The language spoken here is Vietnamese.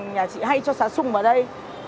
nhà chị hay cho xá sùng vào đây